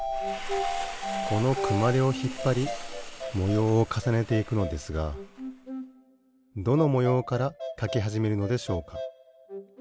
このくまでをひっぱりもようをかさねていくのですがどのもようからかきはじめるのでしょうか？